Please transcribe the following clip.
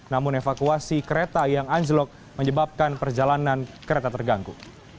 namun evakuasi kereta yang anjlok menyebabkan perjalanan kereta terganggu